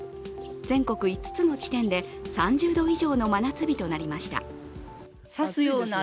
全国５つの地点で３０度以上の真夏日となりました。